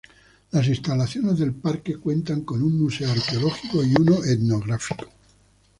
Las instalaciones del parque cuentan con un museo arqueológico y uno etnográfico.